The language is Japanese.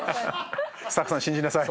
スタッフさん信じなさい。